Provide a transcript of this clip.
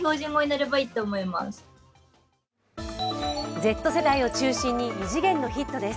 Ｚ世代を中心に異次元のヒットです。